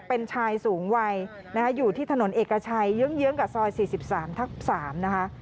เป็นชายสูงวัยอยู่ที่ถนนเอกชัยเยื้องกับซอย๔๓ทับ๓นะคะ